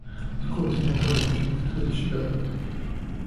სკოლის დამთავრების შემდეგ თბილისში გადავიდა.